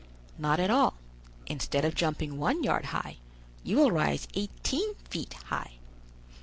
"Not at all; instead of jumping one yard high, you will rise eighteen feet high."